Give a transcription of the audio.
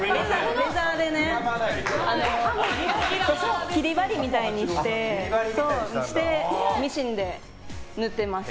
レザーで切り貼りみたいにしてミシンで縫っています。